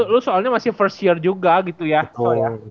lu soalnya masih first year juga gitu ya soalnya